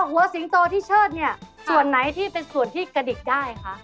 หัวสิงโตที่เชิดเนี่ยส่วนไหนที่เป็นส่วนที่กระดิกได้คะ